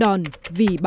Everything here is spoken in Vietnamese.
nordon vị báo